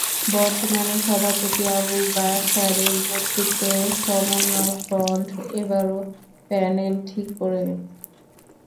বর্তমান সভাপতি আবুল বাসারের নেতৃত্বে সমন্বয় ফ্রন্ট এবারও প্যানেল ঠিক করে।